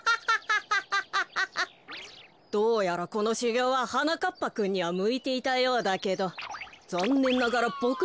どうやらこのしゅぎょうははなかっぱくんにはむいていたようだけどざんねんながらボクむきではなかったようだよ。